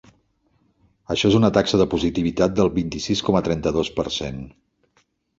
Això és una taxa de positivitat del vint-i-sis coma trenta-dos per cent.